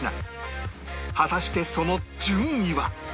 果たしてその順位は？